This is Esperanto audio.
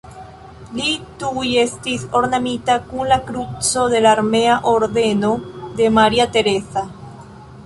Li tuj estis ornamita kun la Kruco de la Armea ordeno de Maria Tereza.